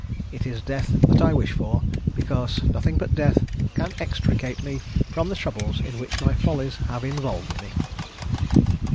It is death that I wish for, because nothing but death can extricate me from the troubles in which my follies have involved me."